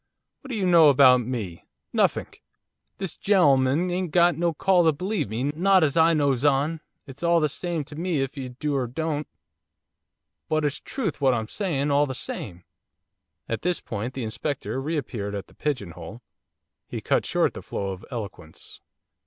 What do you know about me? Nuffink! This gen'leman ain't got no call to believe me, not as I knows on, it's all the same to me if 'e do or don't, but it's trewth what I'm sayin', all the same.' At this point the Inspector re appeared at the pigeon hole. He cut short the flow of eloquence.